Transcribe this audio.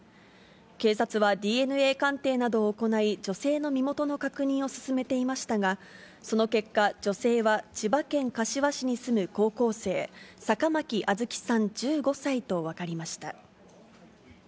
警察はＤＮＡ鑑定などを行い、女性の身元の確認を進めていましたが、その結果、女性は千葉県柏市に住む高校生、坂巻杏月さん１５歳と分かりました。